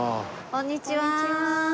こんにちは。